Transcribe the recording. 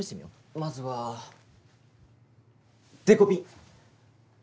まずはデコピン。